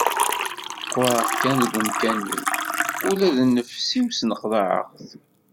Qqureɣ kan deg umkan-iw ula d nnefs-iw sneqḍaɛeɣ-t.